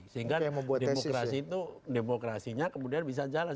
sehingga demokrasi itu demokrasinya kemudian bisa jalan